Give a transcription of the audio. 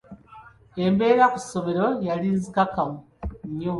Embeera ku ssomero yali nzikakkamu nnyo.